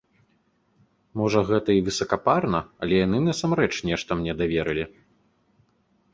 Можа, гэта і высакапарна, але яны насамрэч нешта мне даверылі.